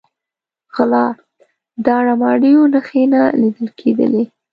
غلا، داړه ماریو نښې نه لیده کېدلې.